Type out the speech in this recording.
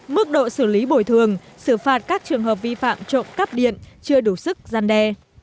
mức độ xử lý bồi thường xử phạt các trường hợp vi phạm trộm cắp điện chưa đủ sức gian đe